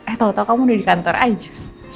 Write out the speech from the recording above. eh tau tau kamu udah di kantor aja